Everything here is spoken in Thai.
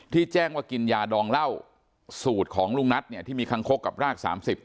แจ้งว่ากินยาดองเหล้าสูตรของลุงนัทเนี่ยที่มีคังคกกับราก๓๐